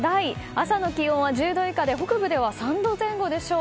朝の気温は１０度以下で北部では３度前後でしょう。